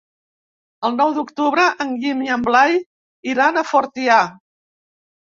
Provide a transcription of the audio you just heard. El nou d'octubre en Guim i en Blai iran a Fortià.